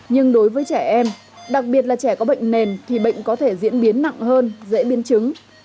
nhưng đối với trẻ em đặc biệt là trẻ có bệnh nền thì bệnh có thể diễn biến nặng hơn dễ biến chứng